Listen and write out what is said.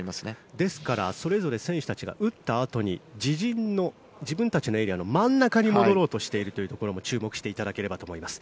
ですからそれぞれ選手たちが打ったあとに自陣、自分たちのエリアの中の真ん中に戻ろうとしているところも注目していただければと思います。